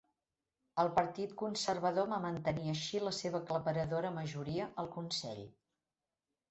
El Partit Conservador va mantenir així la seva aclaparadora majoria al consell.